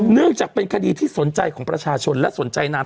เนื่องจากเป็นคดีที่สนใจของประชาชนและสนใจนาน